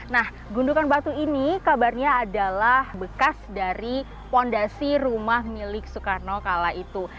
nah gundukan batu ini kabarnya adalah bekas dari fondasi rumah milik soekarno kala itu